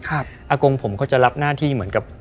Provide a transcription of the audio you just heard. อากงผมก็จะรับหน้าที่เหมือนกับ